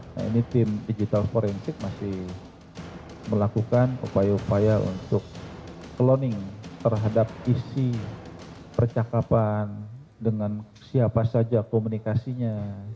nah ini tim digital forensik masih melakukan upaya upaya untuk cloning terhadap isi percakapan dengan siapa saja komunikasinya